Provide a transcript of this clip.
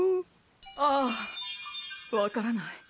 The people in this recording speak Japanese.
ああわからない。